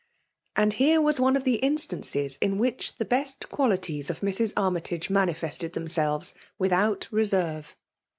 And here, was one of the instances in which the best qualities of Mrs. Armytage manifested themselves without FEMALE DOMINATION. 233 reserve.